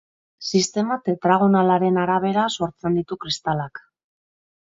Sistema tetragonalaren arabera sortzen ditu kristalak.